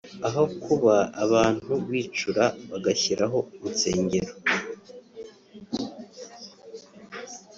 aho kuba abantu bicura bagashyiraho insengero